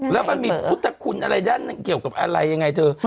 แล้วมันมีพุทธคุณอะไรด้านเกี่ยวกับอะไรยังไงเธอ